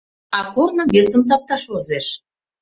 А корным весым тапташ возеш.